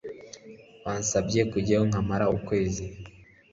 byansabye kujyayo nkamara ukwezi